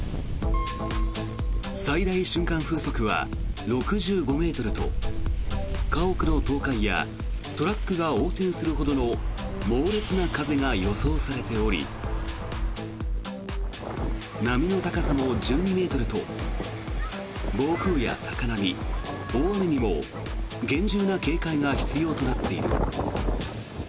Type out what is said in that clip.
最大瞬間風速は６５ｍと家屋の倒壊やトラックが横転するほどの猛烈な風が予想されており波の高さも１２ｍと暴風や高波、大雨にも厳重な警戒が必要となっている。